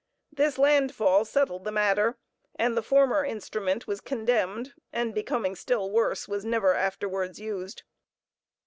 This landfall settled the matter, and the former instrument was condemned, and becoming still worse, was never afterwards used.